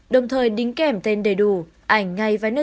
đồng thời đính kèm tên đầy đủ